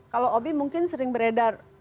kalau obi mungkin sering beredar